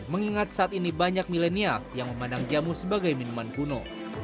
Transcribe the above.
mengingat saat ini banyak milenial yang memandang jamu sebagai minuman kuno